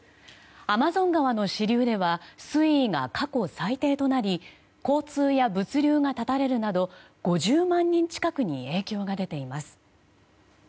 アマゾン川の支流では水位が過去最低となり交通や物流が絶たれるなど５０万人近くに影響が出ています。